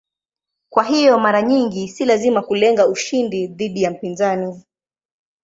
Kwa hiyo mara nyingi si lazima kulenga ushindi dhidi ya mpinzani.